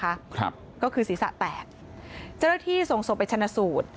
ครับก็คือศีรษะแปดเจ้าที่ส่งโสดไปชนะสูตร